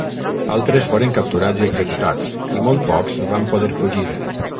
Altres foren capturats i executats i molt pocs van poder fugir.